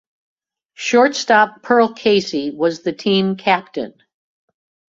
Shortstop Pearl Casey was the team captain.